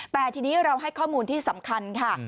แต่ทีนี้เราให้ข้อมูลที่สำคัญค่ะ